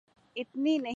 اتنی نہیں ہے۔